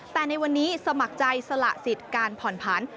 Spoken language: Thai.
แต่ในวันนี้สมัครใจสละสิทธิ์การผ่อนผัน